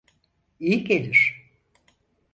İyi gelir.